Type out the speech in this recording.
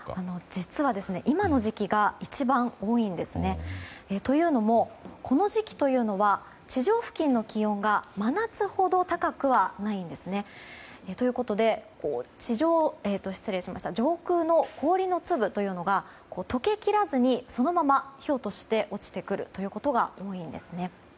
実は、今の時期が一番多いんですね。というのも、この時期というのは地上付近の気温が真夏ほど高くはないんですね。ということで上空の氷の粒が解けきらずにそのままひょうとして落ちてくることが多いんです。